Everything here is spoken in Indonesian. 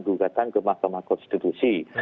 dugatan ke mahkamah konstitusi